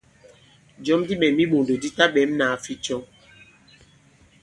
Jɔ̌m di ɓɛ̌m i iɓòndò di taɓɛ̌m nāa ficɔ.